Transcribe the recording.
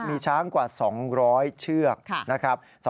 มีช้างกว่า๒๐๐เชือกนะครับ